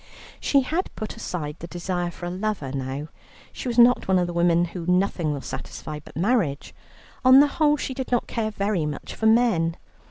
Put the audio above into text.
She had put aside the desire for a lover now. She was not one of the women whom nothing will satisfy but marriage; on the whole she did not care very much for men.